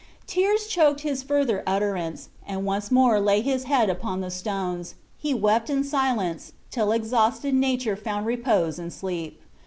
Tears choked his further utterance; and once more laying his head upon the stones, he wept in silence, till exhausted natured found repose in sleep.